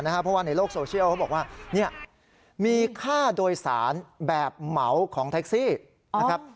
เพราะว่าในโลกโซเชียลเขาบอกว่า